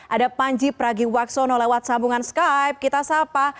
ada panji pragiwaksono lewat sambungan skype kita sapa